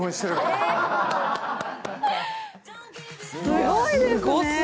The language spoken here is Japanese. すごいですね。